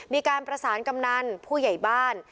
มีการประสานกำนันผู้ใหญ่บ้าน